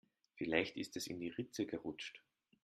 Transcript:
Vielleicht ist es in die Ritze gerutscht.